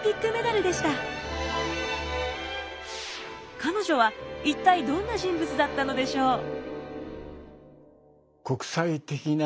彼女は一体どんな人物だったのでしょう？え？